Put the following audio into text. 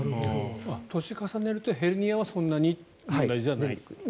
年を重ねるとヘルニアはそんなに大事ではない。